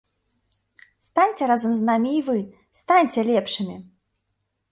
Станьце разам з намі і вы, станьце лепшымі!